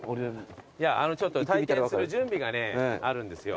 体験する準備がねあるんですよ。